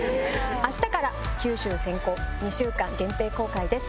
あしたから九州先行２週間限定公開です。